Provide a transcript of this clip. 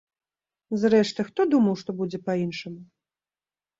Зрэшты, хто думаў што будзе па іншаму?